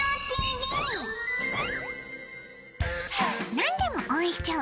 何でも応援しちゃう